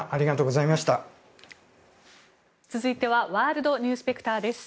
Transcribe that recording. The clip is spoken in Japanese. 続いてはワールドニュースペクターです。